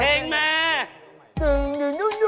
เพลงแมร์